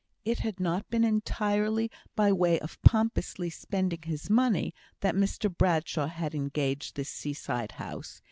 It had not been entirely by way of pompously spending his money that Mr Bradshaw had engaged this seaside house.